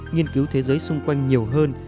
nghiên cứu thế giới xung quanh nhiều hơn